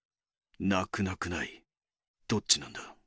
なくなくないどっちなんだ。